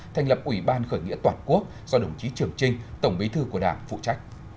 thành lập ủy ban khởi nghĩa toàn quốc do đồng chí trường trinh tổng bí thư của đảng phụ trách